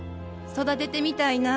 育ててみたいな。